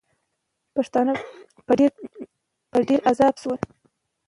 پښتانه په ډېر عذاب سول.